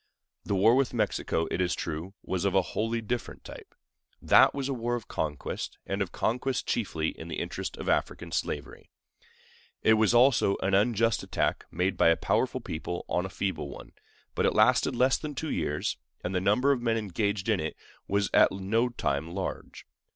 The war with Mexico, it is true, was of a wholly different type. That was a war of conquest, and of conquest chiefly in the interest of African slavery. It was also an unjust attack made by a powerful people on a feeble one; but it lasted less than two years, and the number of men engaged in it was at no time large.